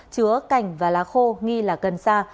chứa cành và lá khô nghi là cần xa